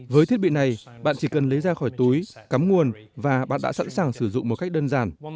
với thiết bị này bạn chỉ cần lấy ra khỏi túi cắm nguồn và bạn đã sẵn sàng sử dụng một cách đơn giản